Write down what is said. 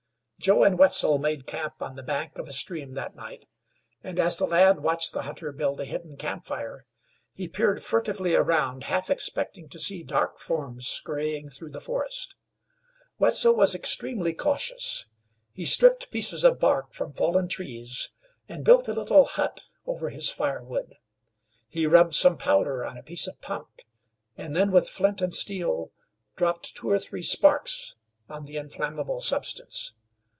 Joe and Wetzel made camp on the bank of a stream that night, and as the lad watched the hunter build a hidden camp fire, he peered furtively around half expecting to see dark forms scurrying through the forest. Wetzel was extremely cautious. He stripped pieces of bark from fallen trees and built a little hut over his firewood. He rubbed some powder on a piece of punk, and then with flint and steel dropped two or three sparks on the inflammable substance.